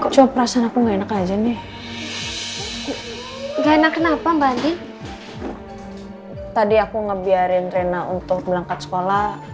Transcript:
coba perasaan aku enak aja nih enak kenapa mbak tadi aku ngebiarin rina untuk berangkat sekolah